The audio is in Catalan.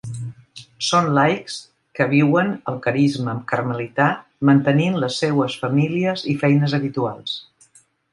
Són laics que viuen el carisma carmelità mantenint les seues famílies i feines habituals.